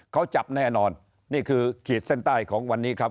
เขาจับแน่นอนนี่คือขีดเส้นใต้ของวันนี้ครับ